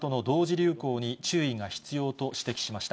流行に注意が必要と指摘しました。